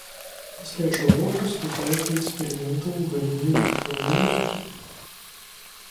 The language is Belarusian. Пасля чаго прыступае да эксперыментаў у галіне электроннай музыкі.